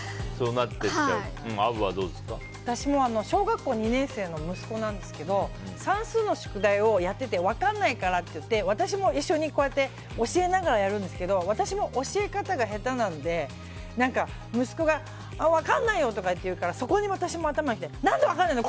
私も小学校２年生の息子なんですけど算数の宿題をやってて分からないからって私も一緒に教えながらやるんですけど私も教え方が下手なので息子が分からないよとか言うからそこに私も頭にきて何で分からないの！